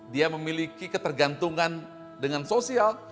dia memiliki ketergantungan dengan sosial